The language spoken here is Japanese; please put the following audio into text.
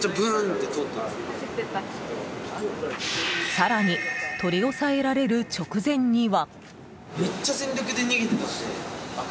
更に取り押さえられる直前には。